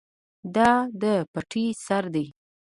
دا د پټی سر دی.